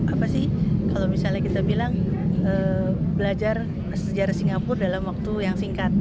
apa sih kalau misalnya kita bilang belajar sejarah singapura dalam waktu yang singkat